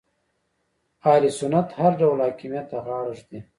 اهل سنت هر ډول حاکمیت ته غاړه ږدي